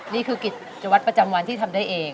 นี่คือกิจวัตรประจำวันที่ทำได้เอง